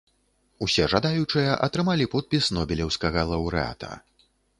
Усе жадаючыя атрымалі подпіс нобелеўскага лаўрэата.